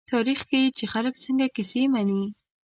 تاریخ ښيي، چې خلک څنګه کیسې مني.